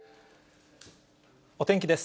お天気です。